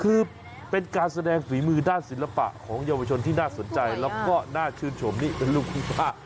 คือเป็นการแสดงฝีมือด้านศิลปะของเยาวชนที่น่าสนใจแล้วก็น่าชื่นชมนี่เป็นลูกที่ป้า